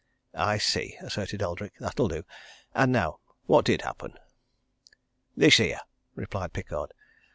"I see," asserted Eldrick. "That'll do! And now what did happen?" "This here," replied Pickard.